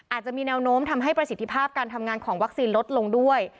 อาจจะมีแนวโน้มทำให้ประสิทธิภาพการทำงานของวัคซีนลดลงด้วย